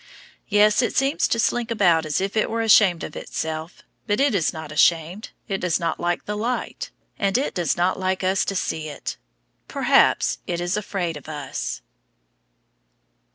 Yes, it seems to slink about as if it were ashamed of itself, but it is not ashamed; it does not like the light, and it does not like us to see it. Perhaps it is afraid of us.